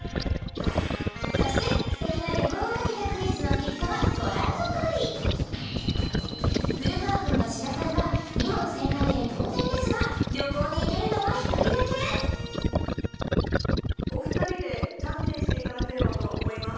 そしてすてきな旅行をかけたクイズの結果はご覧のとおり古川君と志田さんが２問正解で同点ですが旅行に行けるのは１人だけしていただければと思います